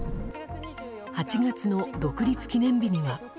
８月の独立記念日には。